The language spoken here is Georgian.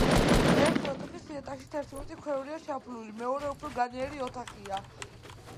ერთი ოთახის იატაკში თერთმეტი ქვევრია ჩაფლული, მეორე უფრო განიერი ოთახია.